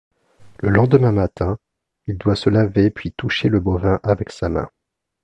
Le lendemain matin, il doit se laver puis toucher le bovin avec sa main.